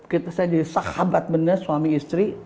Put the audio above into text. saya jadi sahabat bener suami istri